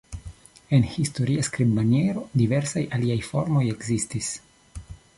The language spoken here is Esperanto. En historia skribmaniero, diversaj aliaj formoj ekzistis.